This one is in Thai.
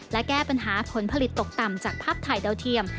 และแก้ปัญหาผลผลิตตกต่ำจากภาพถ่ายดาวเทียม